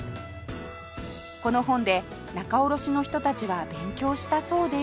この本で仲卸の人たちは勉強したそうです